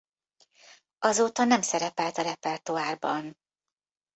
Azóta nem szerepelt a repertoárban.